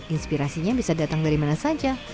inspirasinya bisa datang dari mana saja